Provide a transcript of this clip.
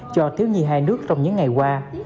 cho thiếu nhi hai nước trong những ngày qua